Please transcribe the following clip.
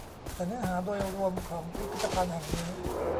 แต่เนื้อหาโดยรวมของพิพิธภัณฑ์แห่งนี้